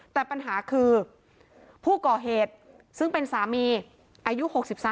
แต่ปัญหาคือผู้ก่อเหตุซึ่งเป็นสามีอายุ๖๓